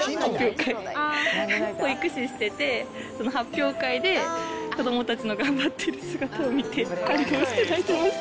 保育士してて、その発表会で、子どもたちの頑張ってる姿を見て感動して泣いてました。